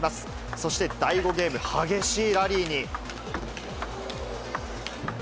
そして第５ゲーム、激しいラリーに。